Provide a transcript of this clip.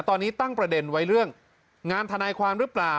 ตอนนี้ตั้งประเด็นไว้เรื่องงานทนายความหรือเปล่า